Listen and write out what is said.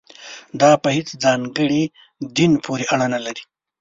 دا په هېڅ ځانګړي دین پورې اړه نه لري.